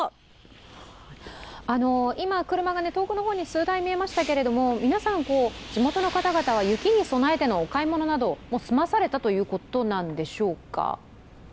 今、車が遠くの方に数台見えましたけど、皆さん、地元の方々は雪に備えてのお買い物など、もう済まされたということなんでしょうか？